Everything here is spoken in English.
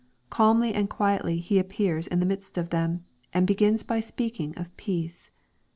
Calmly and quietly He appears in the midst of them, and begins by speaking of peace.